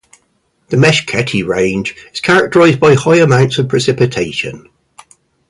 The Meskheti Range is characterized by high amounts of precipitation.